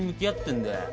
んだよ